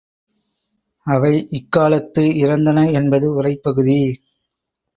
அவை இக்காலத்து இறந்தன என்பது உரைப்பகுதி.